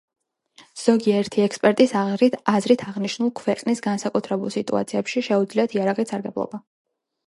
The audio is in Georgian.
ზოგიერთი ექსპერტის აზრით, აღნიშნულ ქვეყნებს განსაკუთრებულ სიტუაციებში შეუძლიათ იარაღით სარგებლობა.